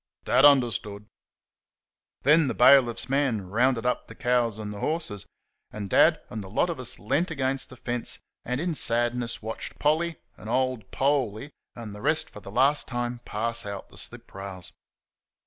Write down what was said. Dad understood. Then the bailiff's man rounded up the cows and the horses, and Dad and the lot of us leant against the fence and in sadness watched Polly and old Poley and the rest for the last time pass out the slip rails.